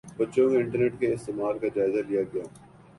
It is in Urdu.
بچوں کے انٹرنیٹ کے استعمال کا جائزہ لیا گیا